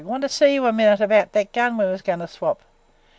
want to see you a minute about that gun we was going to swap!"